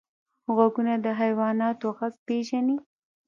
غوږونه د حیواناتو غږ پېژني